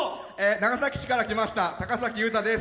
長崎市から来ましたたかさきです。